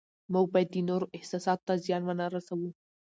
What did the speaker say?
موږ باید د نورو احساساتو ته زیان ونه رسوو